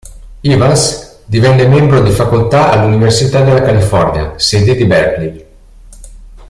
Evans divenne membro di facoltà alla Università della California, sede di Berkeley.